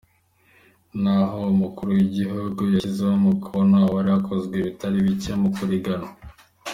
Naho umukuru w'igihugu yarishizeko umukono, hari harakozwe ibitari bike mu kurigwanya.